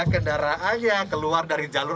kendaraannya keluar dari jalur